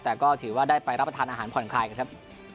แต่ก็ถือว่าได้ไปรับประทานอาหารผ่อนคลายกันครับ